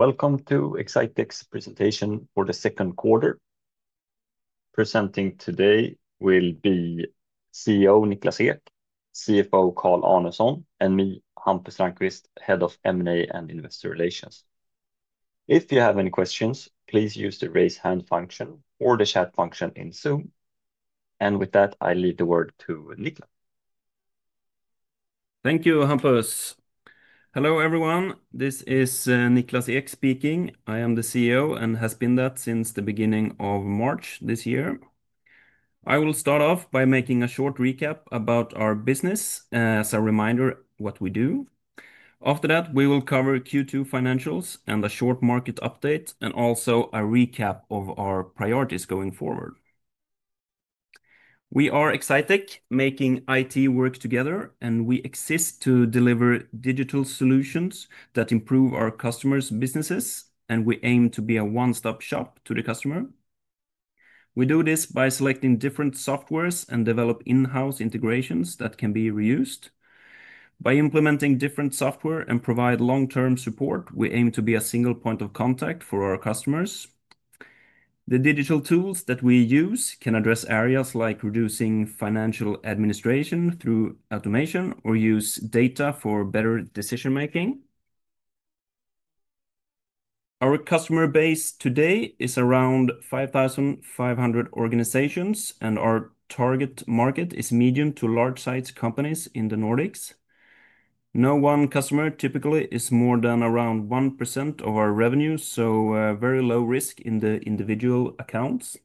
Welcome to Exsitec's presentation for the second quarter. Presenting today will be CEO Niklas Ek, CFO Carl Arnesson, and me, Hampus Strandqvist, Head of M&A and Investor Relations. If you have any questions, please use the raise hand function or the chat function in Zoom. With that, I leave the word to Niklas. Thank you, Hampus. Hello, everyone. This is Niklas Ek speaking. I am the CEO and have been that since the beginning of March this year. I will start off by making a short recap about our business as a reminder of what we do. After that, we will cover Q2 financials and a short market update and also a recap of our priorities going forward. We are Exsitec, making IT work together, and we exist to deliver digital solutions that improve our customers' businesses, and we aim to be a one-stop shop to the customer. We do this by selecting different software and develop in-house integrations that can be reused. By implementing different software and providing long-term support, we aim to be a single point of contact for our customers. The digital tools that we use can address areas like reducing financial administration through automation or use data for better decision-making. Our customer base today is around 5,500 organizations, and our target market is medium to large-sized companies in the Nordics. No one customer typically is more than around 1% of our revenue, so very low risk in the individual accounts.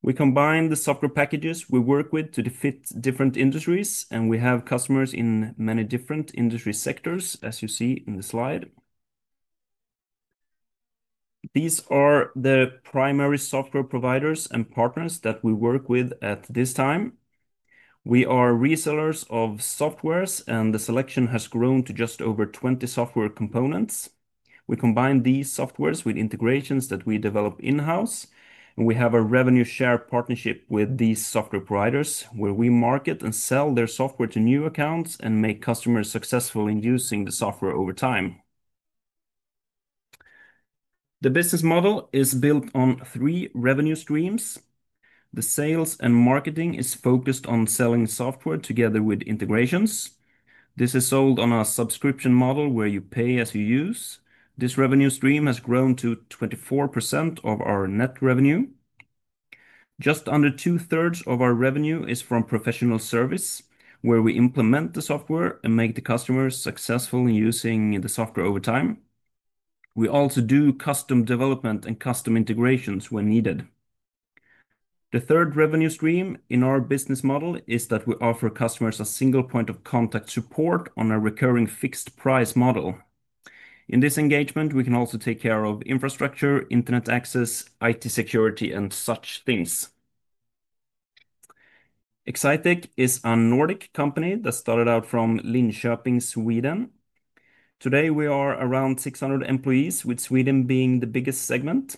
We combine the software packages we work with to fit different industries, and we have customers in many different industry sectors, as you see in the slide. These are the primary software providers and partners that we work with at this time. We are resellers of software, and the selection has grown to just over 20 software components. We combine these software with integrations that we develop in-house, and we have a revenue-share partnership with these software providers where we market and sell their software to new accounts and make customers successful in using the software over time. The business model is built on three revenue streams. The sales and marketing are focused on selling software together with integrations. This is sold on a subscription model where you pay as you use. This revenue stream has grown to 24% of our net revenue. Just under 2/3 of our revenue is from professional service, where we implement the software and make the customers successful in using the software over time. We also do custom development and custom integrations when needed. The third revenue stream in our business model is that we offer customers a single point of contact support on a recurring fixed-price model. In this engagement, we can also take care of infrastructure, internet access, IT security, and such things. Exsitec is a Nordic company that started out from Linköping, Sweden. Today, we are around 600 employees, with Sweden being the biggest segment.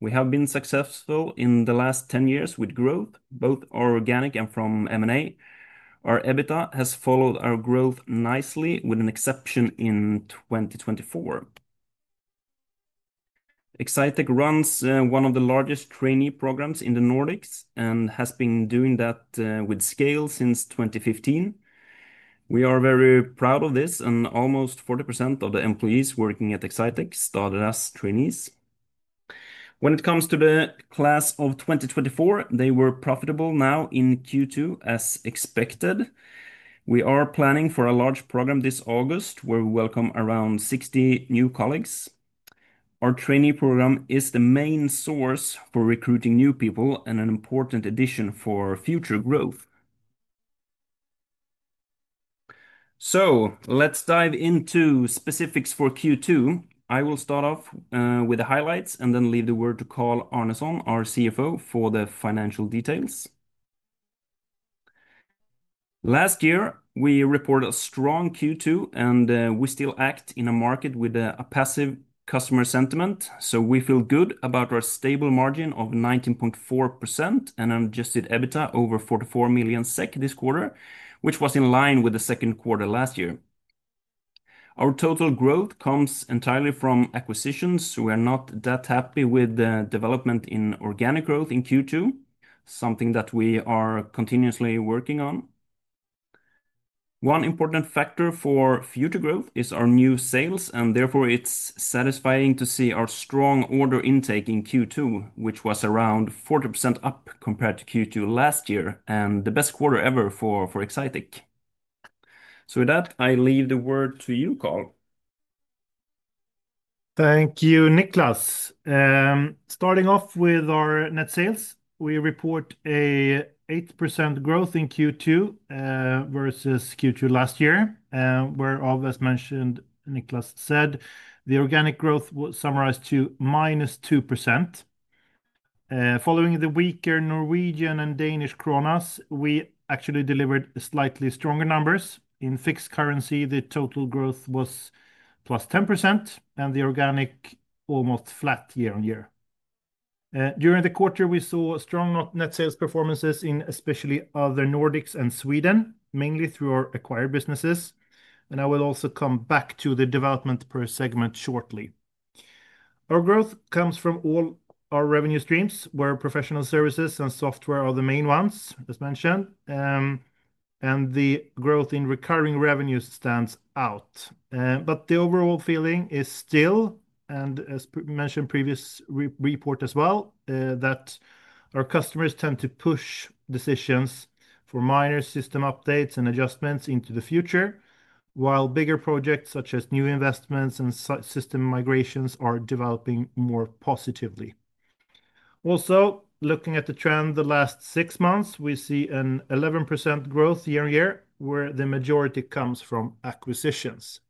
We have been successful in the last 10 years with growth, both organic and from M&A. Our EBITDA has followed our growth nicely with an exception in 2024. Exsitec runs one of the largest trainee programs in the Nordics and has been doing that with scale since 2015. We are very proud of this, and almost 40% of the employees working at Exsitec started as trainees. When it comes to the class of 2024, they were profitable now in Q2, as expected. We are planning for a large program this August where we welcome around 60 new colleagues. Our trainee program is the main source for recruiting new people and an important addition for future growth. Let's dive into specifics for Q2. I will start off with the highlights and then leave the word to Carl Arnesson, our CFO, for the financial details. Last year, we reported a strong Q2, and we still act in a market with a passive customer sentiment. We feel good about our stable margin of 19.4% and an adjusted EBITDA over 44 million SEK this quarter, which was in line with the second quarter last year. Our total growth comes entirely from acquisitions, so we are not that happy with the development in organic growth in Q2, something that we are continuously working on. One important factor for future growth is our new sales, and therefore, it's satisfying to see our strong order intake in Q2, which was around 40% up compared to Q2 last year, and the best quarter ever for Exsitec. With that, I leave the word to you, Carl. Thank you, Niklas. Starting off with our net sales, we report an 8% growth in Q2 vs Q2 last year, where, as mentioned, Niklas said, the organic growth was summarized to -2%. Following the weaker Norwegian and Danish kronas, we actually delivered slightly stronger numbers. In fixed currency, the total growth was +10%, and the organic almost flat year-on-year. During the quarter, we saw strong net sales performances in especially other Nordics and Sweden, mainly through our acquired businesses. I will also come back to the development per segment shortly. Our growth comes from all our revenue streams, where professional services and software are the main ones, as mentioned. The growth in recurring revenue stands out. The overall feeling is still, and as mentioned in the previous report as well, that our customers tend to push decisions for minor system updates and adjustments into the future, while bigger projects such as new investments and system migrations are developing more positively. Also, looking at the trend the last six months, we see an 11% growth year-on-year where the majority comes from acquisitions.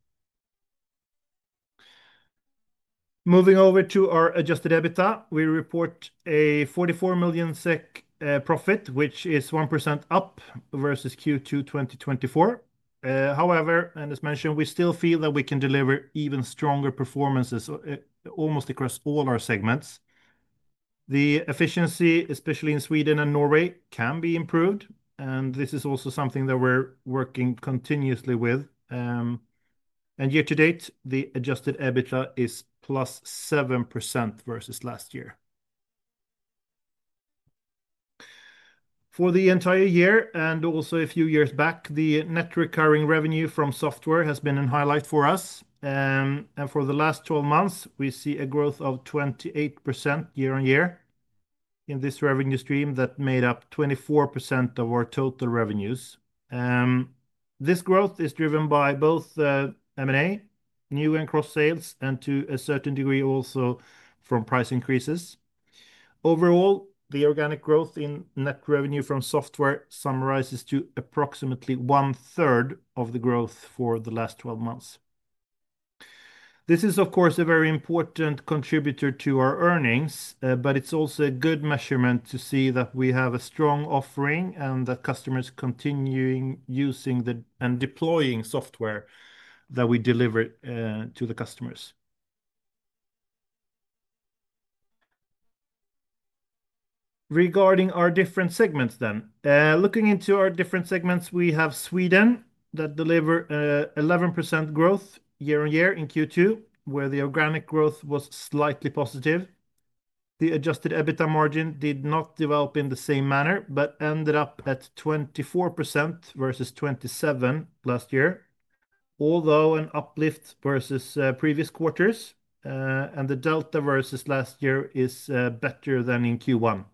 Moving over to our adjusted EBITDA, we report a 44 million SEK profit, which is 1% up vs Q2 2024. However, as mentioned, we still feel that we can deliver even stronger performances almost across all our segments. The efficiency, especially in Sweden and Norway, can be improved, and this is also something that we're working continuously with. Year to date, the adjusted EBITDA is +7% vs last year. For the entire year, and also a few years back, the net recurring revenue from software has been a highlight for us. For the last 12 months, we see a growth of 28% year-on-year in this revenue stream that made up 24% of our total revenues. This growth is driven by both M&A, new and cross-sales, and to a certain degree also from price increases. Overall, the organic growth in net revenue from software summarizes to approximately 1/3 of the growth for the last 12 months. This is, of course, a very important contributor to our earnings, but it's also a good measurement to see that we have a strong offering and that customers are continuing using and deploying software that we deliver to the customers. Regarding our different segments, then, looking into our different segments, we have Sweden that delivered 11% growth year-on-year in Q2, where the organic growth was slightly positive. The adjusted EBITDA margin did not develop in the same manner but ended up at 24% vs 27% last year, although an uplift versus previous quarters, and the delta vs last year is better than in Q1.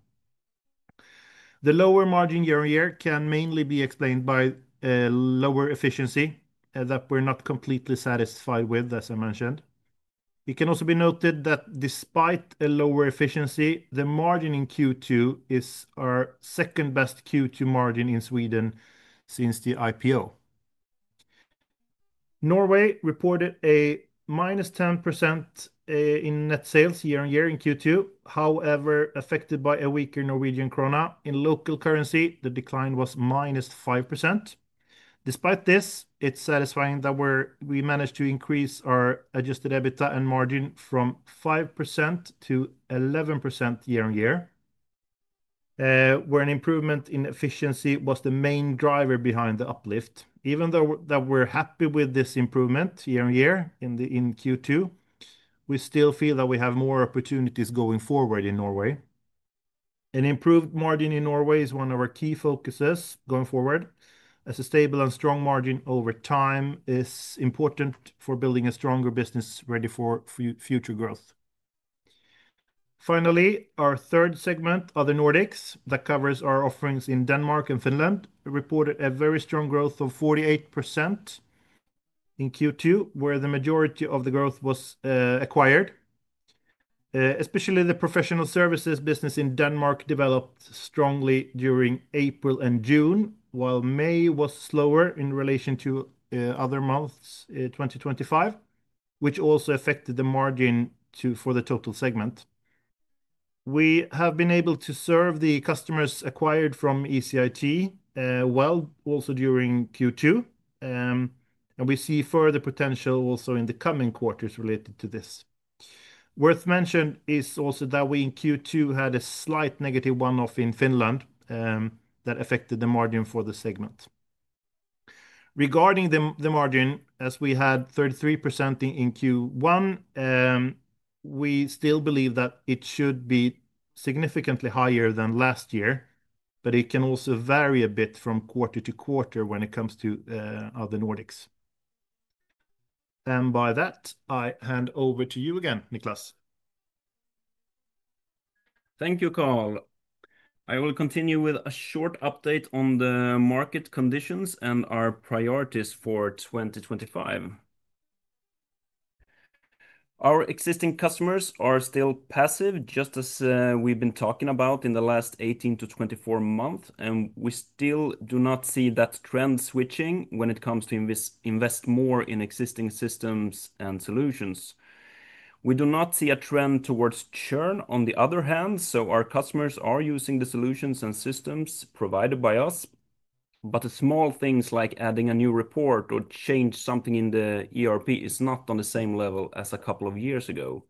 The lower margin year-on-year can mainly be explained by a lower efficiency that we're not completely satisfied with, as I mentioned. It can also be noted that despite a lower efficiency, the margin in Q2 is our second-best Q2 margin in Sweden since the IPO. Norway reported a -10% in net sales year-on-year in Q2, however, affected by a weaker Norwegian krona. In local currency, the decline was -5%. Despite this, it's satisfying that we managed to increase our adjusted EBITDA and margin from 5% to 11% year-on-year, where an improvement in efficiency was the main driver behind the uplift. Even though we're happy with this improvement year-on-year in Q2, we still feel that we have more opportunities going forward in Norway. An improved margin in Norway is one of our key focuses going forward. A stable and strong margin over time is important for building a stronger business ready for future growth. Finally, our third segment, other Nordics, that covers our offerings in Denmark and Finland, reported a very strong growth of 48% in Q2, where the majority of the growth was acquired. Especially the professional services business in Denmark developed strongly during April and June, while May was slower in relation to other months in 2023, which also affected the margin for the total segment. We have been able to serve the customers acquired from ECIT well, also during Q2, and we see further potential also in the coming quarters related to this. Worth mentioning is also that we in Q2 had a slight negative one-off in Finland that affected the margin for the segment. Regarding the margin, as we had 33% in Q1, we still believe that it should be significantly higher than last year, but it can also vary a bit from quarter to quarter when it comes to other Nordics. By that, I hand over to you again, Niklas. Thank you, Carl. I will continue with a short update on the market conditions and our priorities for 2025. Our existing customers are still passive, just as we've been talking about in the last 18-24 months, and we still do not see that trend switching when it comes to investing more in existing systems and solutions. We do not see a trend towards churn, on the other hand, so our customers are using the solutions and systems provided by us, but the small things like adding a new report or changing something in the ERP are not on the same level as a couple of years ago.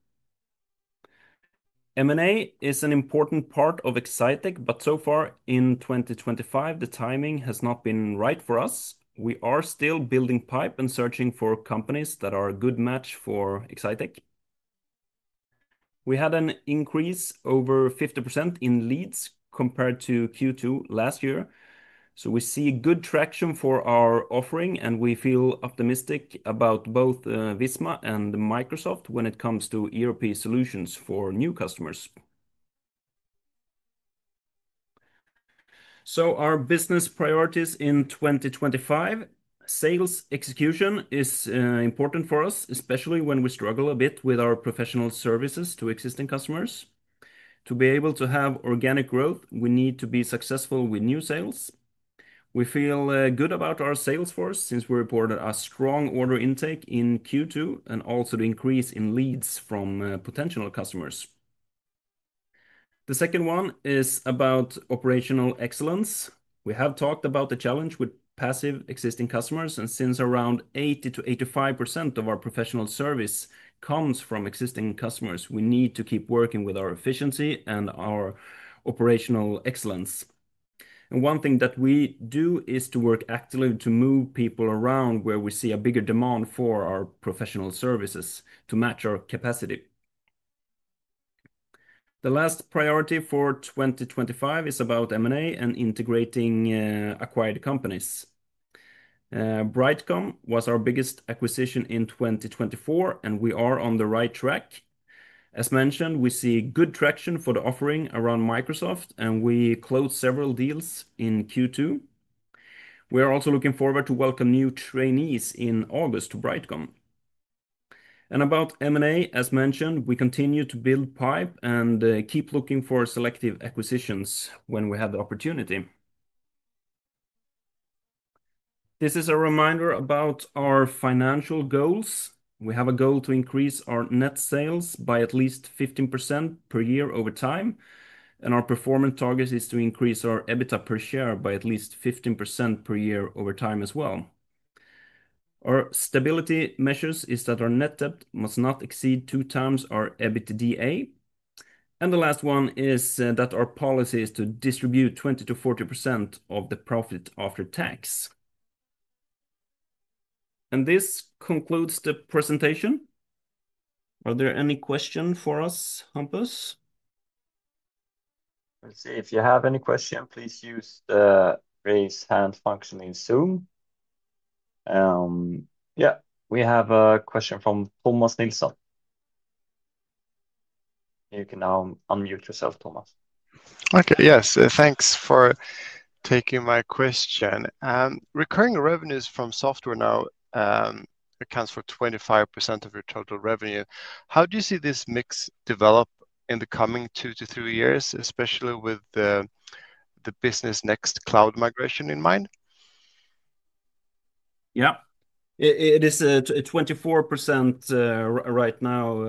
M&A is an important part of Exsitec, but so far in 2025, the timing has not been right for us. We are still building pipe and searching for companies that are a good match for Exsitec. We had an increase over 50% in leads compared to Q2 last year, so we see good traction for our offering, and we feel optimistic about both Visma and Microsoft when it comes to ERP solutions for new customers. Our business priorities in 2025, sales execution is important for us, especially when we struggle a bit with our professional services to existing customers. To be able to have organic growth, we need to be successful with new sales. We feel good about our sales force since we reported a strong order intake in Q2 and also the increase in leads from potential customers. The second one is about operational excellence. We have talked about the challenge with passive existing customers, and since around 80%-85% of our professional service comes from existing customers, we need to keep working with our efficiency and our operational excellence. One thing that we do is to work actively to move people around where we see a bigger demand for our professional services to match our capacity. The last priority for 2025 is about M&A and integrating acquired companies. BrightCom was our biggest acquisition in 2024, and we are on the right track. As mentioned, we see good traction for the offering around Microsoft, and we closed several deals in Q2. We are also looking forward to welcoming new trainees in August to BrightCom. About M&A, as mentioned, we continue to build pipe and keep looking for selective acquisitions when we have the opportunity. This is a reminder about our financial goals. We have a goal to increase our net sales by at least 15% per year over time, and our performance target is to increase our EBITDA per share by at least 15% per year over time as well. Our stability measure is that our net debt must not exceed two times our EBITDA. The last one is that our policy is to distribute 20%-40% of the profit after tax. This concludes the presentation. Are there any questions for us, Hampus? Let's see. If you have any questions, please use the raise hand function in Zoom. We have a question from Thomas Nilsson. You can now unmute yourself, Thomas. Okay, yes, thanks for taking my question. Recurring revenues from software now account for 25% of your total revenue. How do you see this mix develop in the coming 2-3 years, especially with the Business Next cloud migration in mind? Yeah, it is 24% right now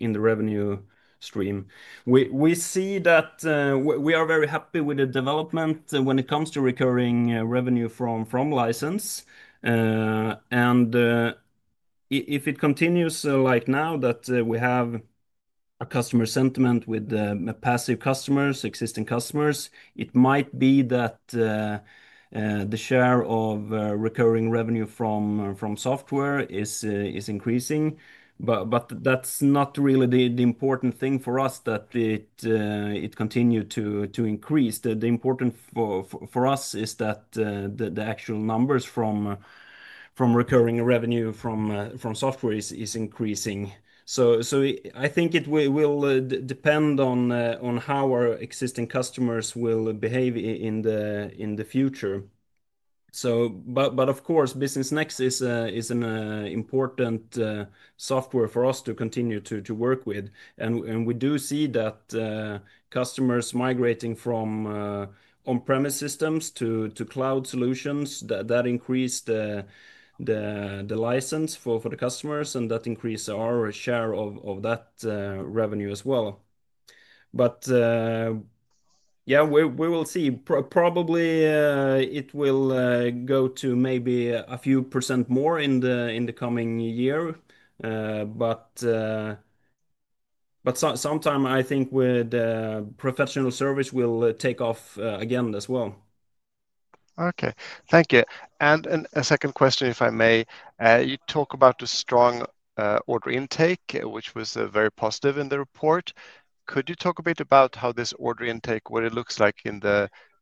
in the revenue stream. We see that we are very happy with the development when it comes to recurring revenue from license. If it continues like now that we have a customer sentiment with passive customers, existing customers, it might be that the share of recurring revenue from software is increasing. That's not really the important thing for us, that it continues to increase. The importance for us is that the actual numbers from recurring revenue from software are increasing. I think it will depend on how our existing customers will behave in the future. Of course, Business Next is an important software for us to continue to work with. We do see that customers migrating from on-premise systems to cloud solutions, that increased the license for the customers, and that increased our share of that revenue as well. We will see. Probably it will go to maybe a few percent more in the coming year. Sometimes I think the professional service will take off again as well. Okay, thank you. A second question, if I may. You talk about a strong order intake, which was very positive in the report. Could you talk a bit about how this order intake, what it looks like in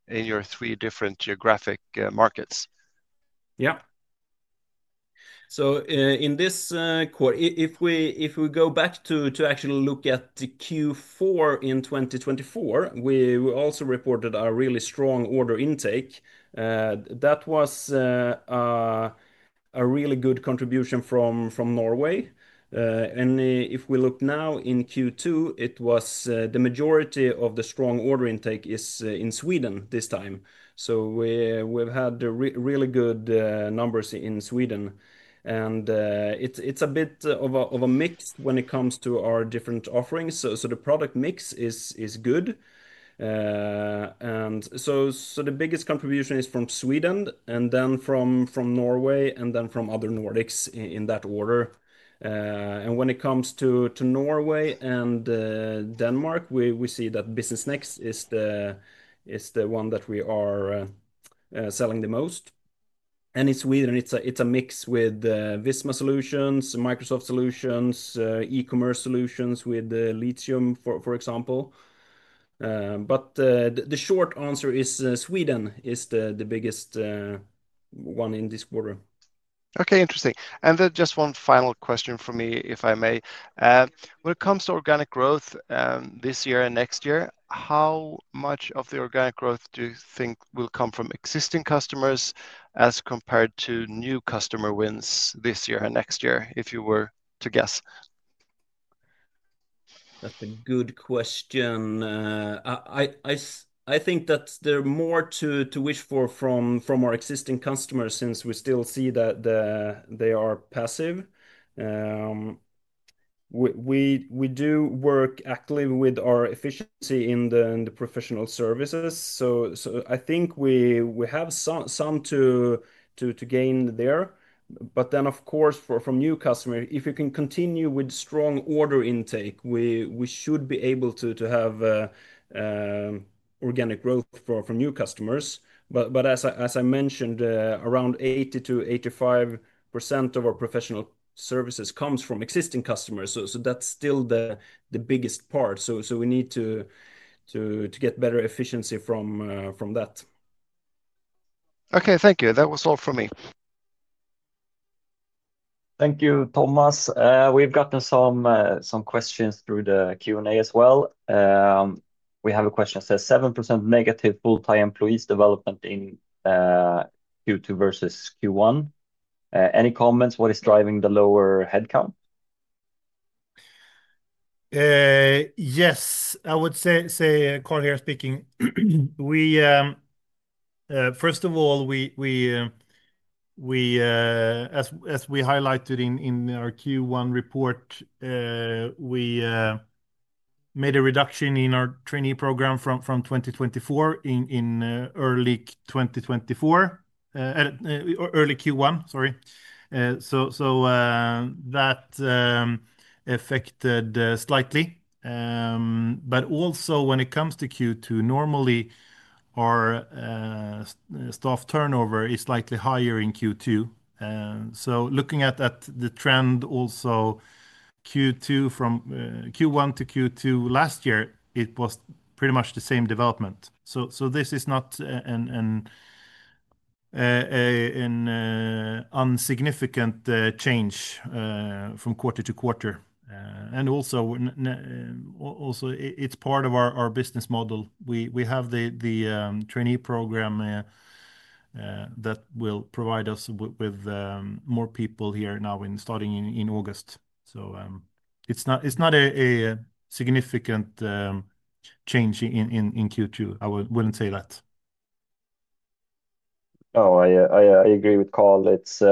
your three different geographic markets? In this quarter, if we go back to actually look at Q4 in 2024, we also reported a really strong order intake. That was a really good contribution from Norway. If we look now in Q2, the majority of the strong order intake is in Sweden this time. We've had really good numbers in Sweden. It's a bit of a mix when it comes to our different offerings. The product mix is good. The biggest contribution is from Sweden, then from Norway, and then from other Nordics in that order. When it comes to Norway and Denmark, we see that Business Next is the one that we are selling the most. In Sweden, it's a mix with Visma Solutions, Microsoft Solutions, e-commerce solutions with Litium, for example. The short answer is Sweden is the biggest one in this quarter. Okay, interesting. Just one final question for me, if I may. When it comes to organic growth this year and next year, how much of the organic growth do you think will come from existing customers as compared to new customer wins this year and next year, if you were to guess? That's a good question. I think that there's more to wish for from our existing customers since we still see that they are passive. We do work actively with our efficiency in the professional services, so I think we have some to gain there. Of course, for new customers, if you can continue with strong order intake, we should be able to have organic growth from new customers. As I mentioned, around 80%-85% of our professional services come from existing customers. That's still the biggest part. We need to get better efficiency from that. Okay, thank you. That was all for me. Thank you, Thomas. We've gotten some questions through the Q&A as well. We have a question that says, "7% negative full-time employees development in Q2 vs Q1. Any comments? What is driving the lower headcount? Yes, I would say, Carl here speaking, first of all, as we highlighted in our Q1 report, we made a reduction in our trainee program from 2024 in early Q1. That affected slightly. Also, when it comes to Q2, normally our staff turnover is slightly higher in Q2. Looking at the trend from Q1-Q2 last year, it was pretty much the same development. This is not an insignificant change from quarter to quarter. It's part of our business model. We have the trainee program that will provide us with more people here now starting in August. It's not a significant change in Q2. I wouldn't say that. Oh, I agree with Carl. It's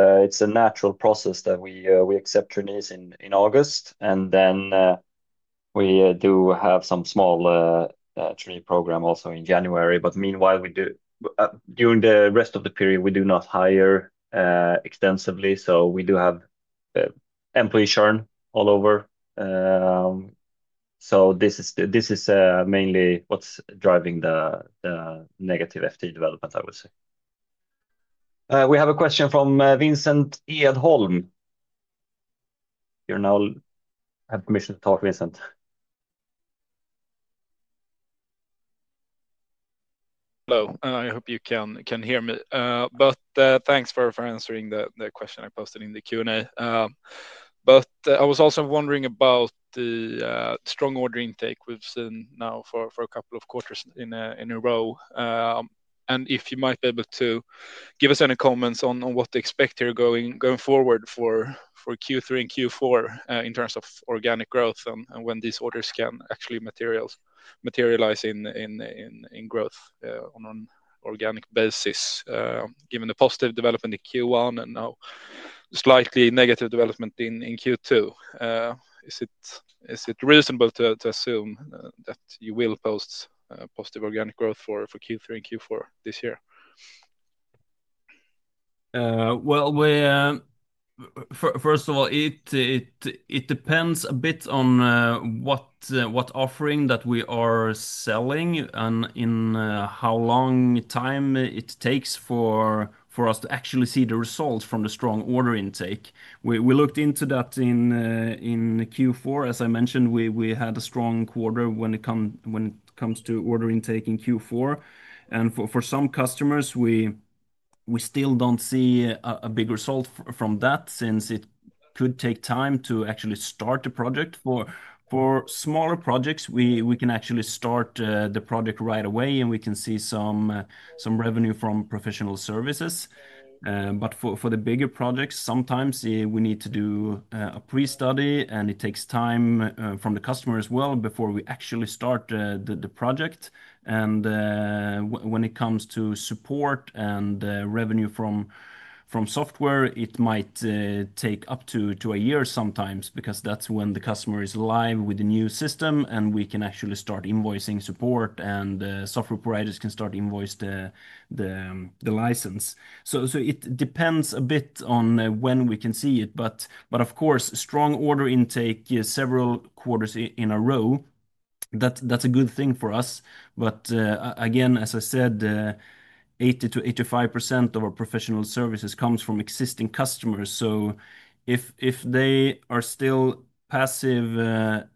a natural process that we accept trainees in August, and then we do have some small trainee program also in January. Meanwhile, during the rest of the period, we do not hire extensively. We do have employee churn all over. This is mainly what's driving the negative FT development, I would say. We have a question from Vincent Edholm. You now have permission to talk, Vincent. Hello. I hope you can hear me. Thanks for answering the question I posted in the Q&A. I was also wondering about the strong order intake we've seen now for a couple of quarters in a row. If you might be able to give us any comments on what to expect here going forward for Q3 and Q4 in terms of organic growth and when these orders can actually materialize in growth on an organic basis, given the positive development in Q1 and now the slightly negative development in Q2. Is it reasonable to assume that you will post positive organic growth for Q3 and Q4 this year? First of all, it depends a bit on what offering that we are selling and how long time it takes for us to actually see the result from the strong order intake. We looked into that in Q4. As I mentioned, we had a strong quarter when it comes to order intake in Q4. For some customers, we still don't see a big result from that since it could take time to actually start the project. For smaller projects, we can actually start the project right away and we can see some revenue from professional services. For the bigger projects, sometimes we need to do a pre-study and it takes time from the customer as well before we actually start the project. When it comes to support and revenue from software, it might take up to a year sometimes because that's when the customer is live with the new system and we can actually start invoicing support and software providers can start invoicing the license. It depends a bit on when we can see it. Of course, strong order intake several quarters in a row, that's a good thing for us. Again, as I said, 80%-85% of our professional services comes from existing customers. If they are still passive,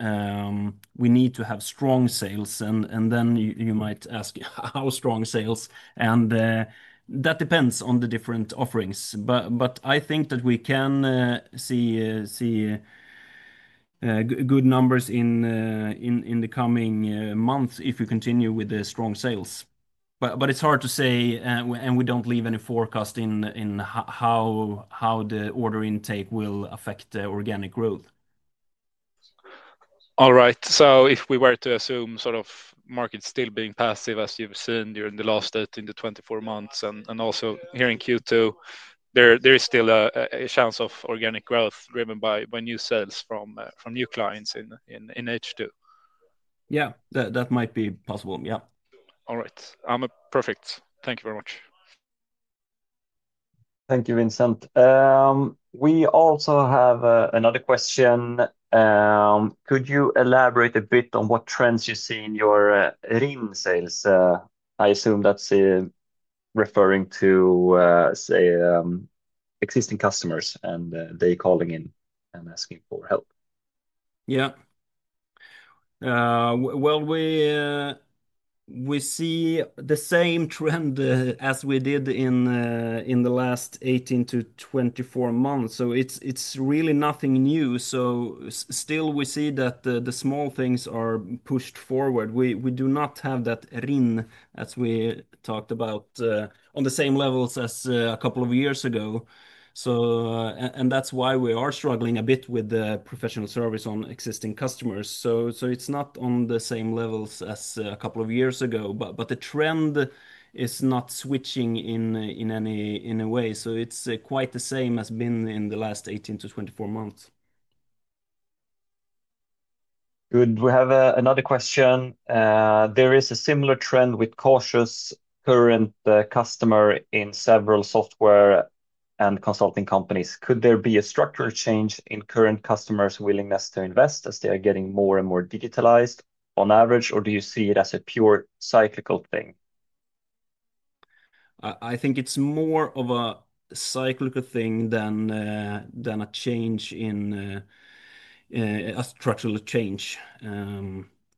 we need to have strong sales. You might ask, how strong sales? That depends on the different offerings. I think that we can see good numbers in the coming months if we continue with the strong sales. It's hard to say, and we don't leave any forecast in how the order intake will affect organic growth. All right. If we were to assume sort of markets still being passive, as you've seen during the last 18-24 months, and also here in Q2, there is still a chance of organic growth driven by new sales from new clients in H2. Yeah, that might be possible. Yeah. All right. Perfect. Thank you very much. Thank you, Vincent. We also have another question. Could you elaborate a bit on what trends you see in your RIM sales? I assume that's referring to, say, existing customers and they calling in and asking for help. We see the same trend as we did in the last 18-24 months. It's really nothing new. Still, we see that the small things are pushed forward. We do not have that RIN, as we talked about, on the same levels as a couple of years ago. That's why we are struggling a bit with the professional service on existing customers. It's not on the same levels as a couple of years ago, but the trend is not switching in any way. It's quite the same as it's been in the last 18-24 months. Good. We have another question. There is a similar trend with cautious current customers in several software and consulting companies. Could there be a structural change in current customers' willingness to invest as they are getting more and more digitalized on average, or do you see it as a pure cyclical thing? I think it's more of a cyclical thing than a structural change.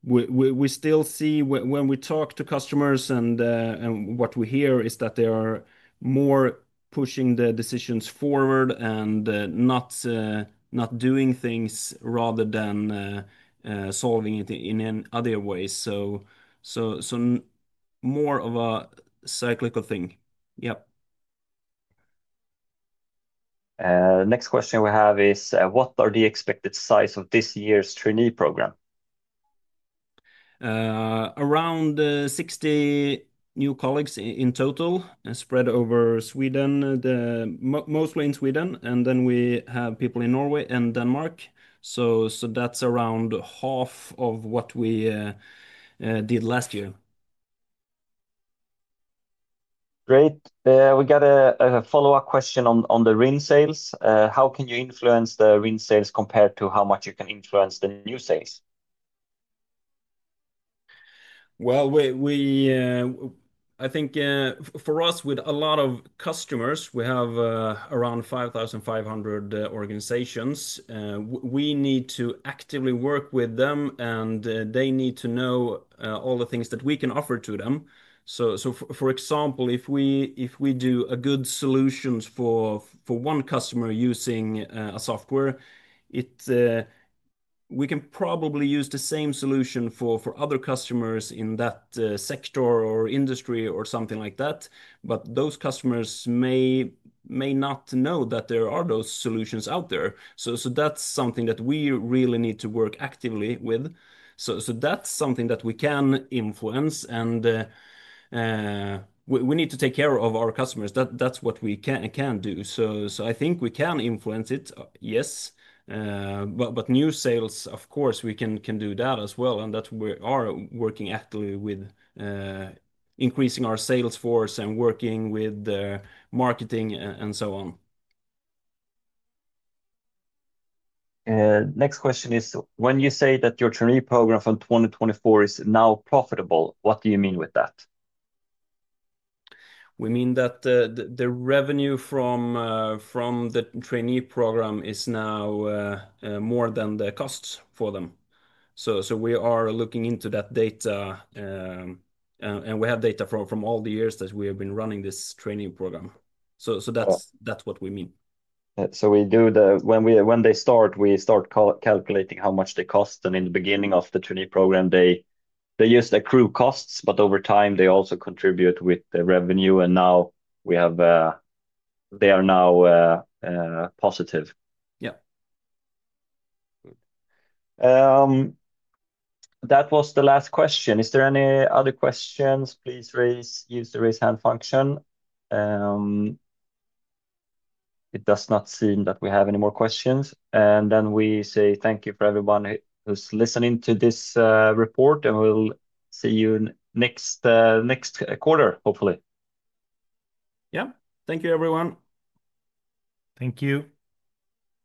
We still see, when we talk to customers and what we hear, that they are more pushing the decisions forward and not doing things rather than solving it in other ways. More of a cyclical thing, yeah. Next question we have is, what are the expected size of this year's trainee program? Around 60 new colleagues in total spread over Sweden, mostly in Sweden, and we have people in Norway and Denmark. That's around half of what we did last year. Great. We got a follow-up question on the RIN sales. How can you influence the RIN sales compared to how much you can influence the new sales? I think for us, with a lot of customers, we have around 5,500 organizations. We need to actively work with them, and they need to know all the things that we can offer to them. For example, if we do good solutions for one customer using a software, we can probably use the same solution for other customers in that sector or industry or something like that. Those customers may not know that there are those solutions out there. That's something that we really need to work actively with. That's something that we can influence, and we need to take care of our customers. That's what we can do. I think we can influence it, yes. New sales, of course, we can do that as well. That's what we are working actively with, increasing our sales force and working with marketing and so on. Next question is, when you say that your trainee program from 2024 is now profitable, what do you mean with that? We mean that the revenue from the trainee program is now more than the cost for them. We are looking into that data, and we have data from all the years that we have been running this trainee program. That's what we mean. We do the, when they start, we start calculating how much they cost. In the beginning of the trainee program, they used accrued costs, but over time, they also contribute with the revenue, and now they are now positive. Yeah. That was the last question. Is there any other questions? Please use the raise hand function. It does not seem that we have any more questions. We say thank you for everyone who's listening to this report, and we'll see you next quarter, hopefully. Thank you, everyone. Thank you.